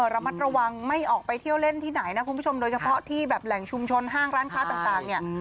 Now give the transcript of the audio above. ระมัดระวังไม่ออกไปเที่ยวเล่นที่ไหนนะคุณผู้ชมโดยเฉพาะที่แบบแหล่งชุมชนห้างร้านค้าต่างเนี่ย